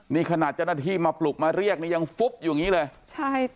นี่ขนาดเจ้าหน้าที่มาปลุกมาเรียกนี่ยังฟุบอยู่อย่างงี้เลยใช่